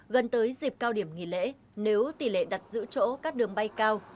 gần tới dịp cao điểm nghỉ lễ nếu tỷ lệ đặt giữ chỗ các đường bay cao